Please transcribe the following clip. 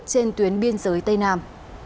trên tuyến biên giới tây nam